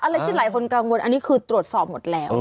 อะไรที่หลายคนกังวลอันนี้คือตรวจสอบหมดแล้ว